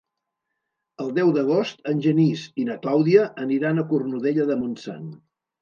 El deu d'agost en Genís i na Clàudia aniran a Cornudella de Montsant.